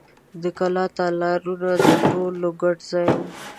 د کلا تالارونه د ټولو ګډ ځای و.